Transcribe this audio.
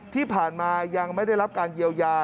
ที่ผ่านมายังไม่ได้รับการเยียวยา